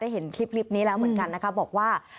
ได้เห็นคลิปนี้แล้วเหมือนกันบอกว่า